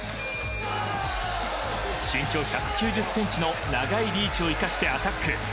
身長１９０ｃｍの長いリーチを生かしてアタック。